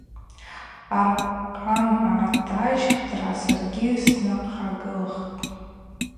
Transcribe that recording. Аркъан гӏатажьхта саргьи снахъагылх.